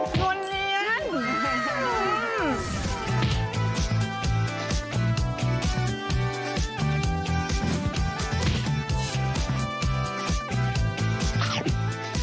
หิวหนุ่มนุ่มนิ่มนวลเนียนนุ่มค่ะ